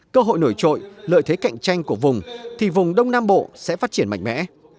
cơ hội nổi trội lợi thế cạnh tranh của vùng thì vùng đông nam bộ sẽ phát triển mạnh mẽ